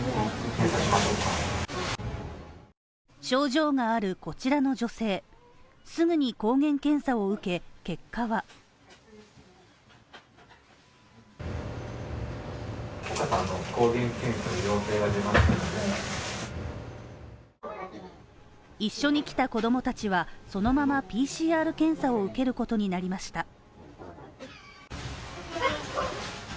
症状があるこちらの女性、すぐに抗原検査を受け、結果は一緒に来た子供たちは、そのままＰＣＲ検査を受けることになりました。